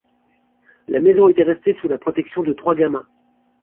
La maison était restée sous la protection de trois gamins.